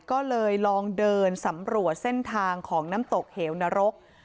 ก็เลยลองเดินสำรวจเส้นทางของน้ำตกเหวนรก